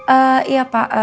eh iya pak